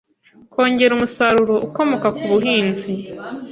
kongera umusaruro ukomoka kubuhinzi